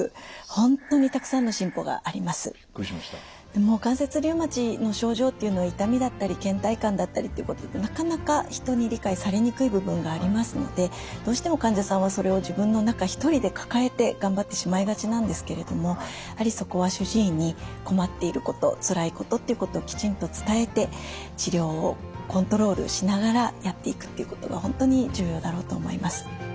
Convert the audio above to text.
でも関節リウマチの症状っていうのは痛みだったりけん怠感だったりっていうことでなかなか人に理解されにくい部分がありますのでどうしても患者さんはそれを自分の中一人で抱えて頑張ってしまいがちなんですけれどもやはりそこは主治医に困っていることつらいことっていうことをきちんと伝えて治療をコントロールしながらやっていくっていうことが本当に重要だろうと思います。